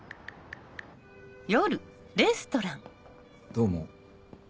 どうも。